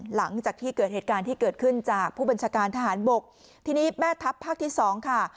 หลังจากที่เกิดเหตุการณ์ที่เกิดขึ้นจากผู้บัญชาการทหารบกทีนี้แม่ทัพภาคที่สองค่ะ